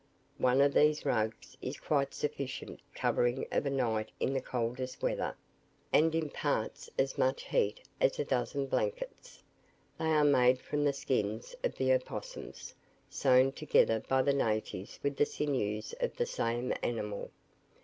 One of these rugs is quite sufficient covering of a night in the coldest weather, and imparts as much heat as a dozen blankets. They are made from the skins of the opossums, sewn together by the natives with the sinews of the same animal.